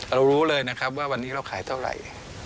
เรารู้เลยว่าวันนี้เราขายเท่าไร